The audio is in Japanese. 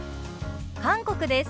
韓国です。